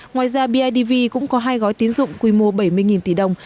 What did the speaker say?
ngoài ra bidv cũng có hai gói tín dụng quy mô bảy mươi tỷ đồng